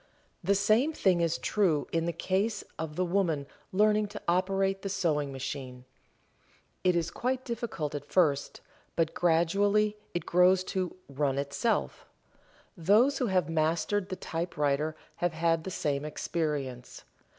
The same thing is true in the case of the woman learning to operate the sewing machine. It is quite difficult at first, but gradually it grows to "run itself." Those who have mastered the typewriter have had the same experience.